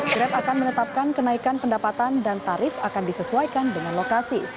grab akan menetapkan kenaikan pendapatan dan tarif akan disesuaikan dengan lokasi